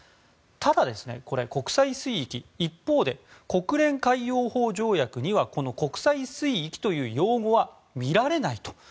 ただ、これ、国際水域一方で国連海洋法条約にはこの国際水域という用語は見られないと。